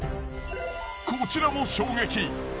こちらも衝撃。